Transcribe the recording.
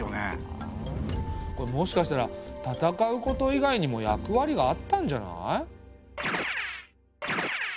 これもしかしたら戦うこと以外にも役割があったんじゃない？